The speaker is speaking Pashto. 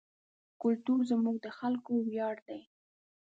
کلتور زموږ د خلکو ویاړ دی.